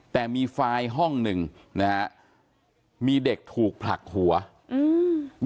แต่มีไฟล์ห้องหนึ่งนะฮะมีเด็กถูกผลักหัวอืม